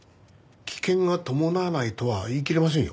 危険が伴わないとは言いきれませんよ？